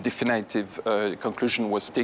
ที่สงสัยเป็นสิ่งที่สงสัย